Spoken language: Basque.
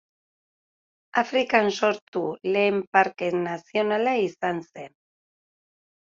Afrikan sortu lehen parke nazionala izan zen.